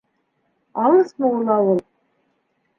Алыҫмы ул ауыл?